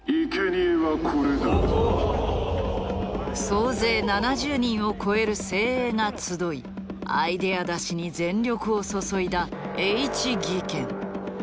総勢７０人を超える精鋭が集いアイデア出しに全力を注いだＨ技研。